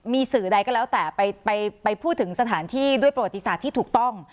มีสื่อใดก็แล้วแต่ไปพูดถึงสถานที่ด้วยประวัติศาสตร์ที่ถูกต้อง